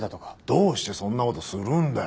どうしてそんな事するんだよ！